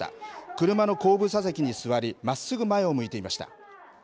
車の後部座席に座り、まっすぐ前を向いていました。